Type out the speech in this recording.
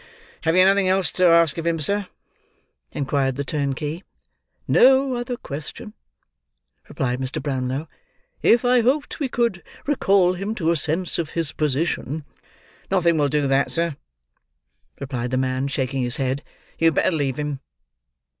"Have you nothing else to ask him, sir?" inquired the turnkey. "No other question," replied Mr. Brownlow. "If I hoped we could recall him to a sense of his position—" "Nothing will do that, sir," replied the man, shaking his head. "You had better leave him."